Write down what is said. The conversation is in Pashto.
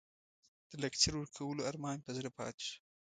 د لکچر د ورکولو ارمان مو په زړه پاتې شو.